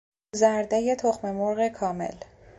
زردهی تخممرغ کامل